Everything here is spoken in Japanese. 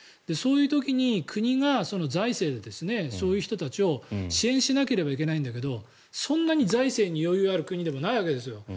そういう時に国が財政でそういう人たちを支援しなければいけないんだけどそんなに財政に余裕がある国でもないわけです。